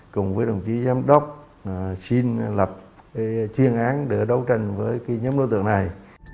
cùng với đồng chí giám đốc xin lập chuyên án để đấu tranh với nhóm đối tượng này